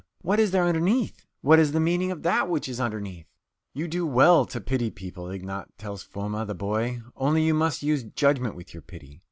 What is there underneath? What is the meaning of that which is underneath? "You do well to pity people," Ignat tells Foma, the boy, "only you must use judgment with your pity.